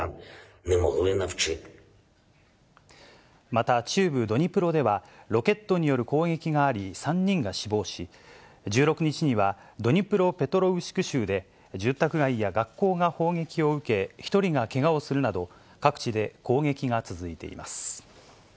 また中部ドニプロでは、ロケットによる攻撃があり、３人が死亡し、１６日にはドニプロペトロウシク州で住宅街や学校が砲撃を受け、１人がけがをするなど、各地で攻撃が続いています。